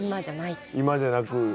今じゃない。